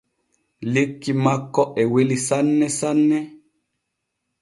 Lekki makko e weli sanne sanne.